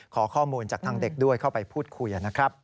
ขอข้อมูลจากทางเด็กด้วยเข้าไปพูดคุยนะครับ